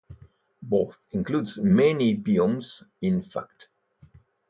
Both includes many biomes in fact.